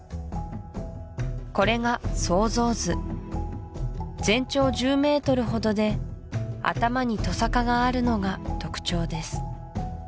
これが想像図全長１０メートルほどで頭にトサカがあるのが特徴です